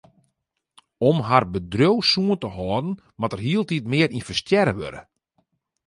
Om har bedriuw sûn te hâlden moat der hieltyd mear ynvestearre wurde.